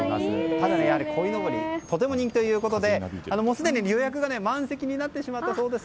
ただ、こいのぼりとても人気ということですでに予約が満席になってしまったそうです。